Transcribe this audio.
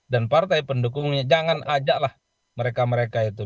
dan partai pendukungnya jangan ajaklah mereka mereka itu